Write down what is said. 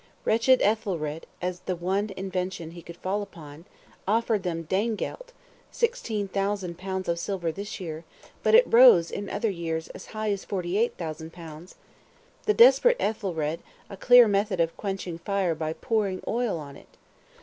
Wretched Ethelred, as the one invention he could fall upon, offered them Danegelt (16,000 pounds of silver this year, but it rose in other years as high as 48,000 pounds); the desperate Ethelred, a clear method of quenching fire by pouring oil on it!